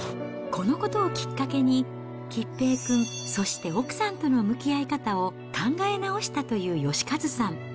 このことをきっかけに、結平くん、そして奥さんとの向き合い方を考え直したという芳和さん。